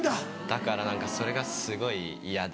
だから何かそれがすごい嫌で。